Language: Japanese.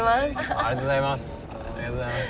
ありがとうございます。